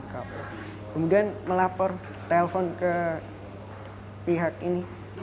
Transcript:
kemudian melapor telpon ke pihak ini